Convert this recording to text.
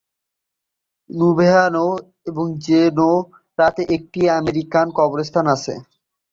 Nueva জেরোনাতে একটি American কবরস্থান আছে।